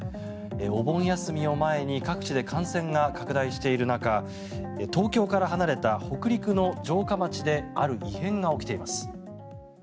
お盆休みを前に各地で感染が拡大している中東京から離れた北陸の城下町である異変が起きています。